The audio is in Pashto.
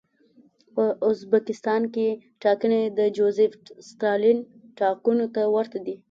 په ازبکستان کې ټاکنې د جوزېف ستالین ټاکنو ته ورته دي.